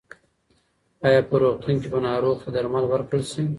ایا په روغتون کې به ناروغ ته درمل ورکړل شي؟